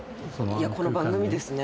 いやこの番組ですね。